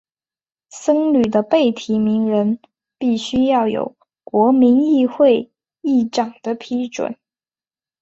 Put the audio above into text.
僧侣的被提名人必须要有国民议会议长的批准。